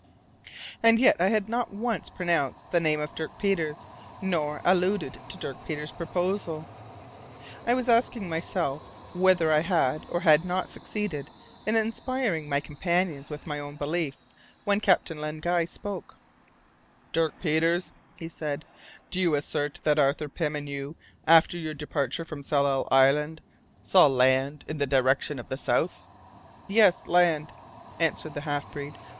And yet I had not once pronounced the name of Dirk Peters, nor alluded to Dirk Peters' proposal. I was asking myself whether I had or had not succeeded in inspiring my companions with my own belief, when Captain Len Guy spoke: "Dirk Peters," he said, "do you assert that Arthur Pym and you after your departure from Tsalal Island saw land in the direction of the south?" "Yes, land," answered the half breed.